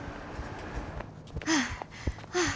はあはあ。